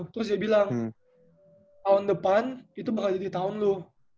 terus dia bilang tahun depan itu bakal jadi tahun loh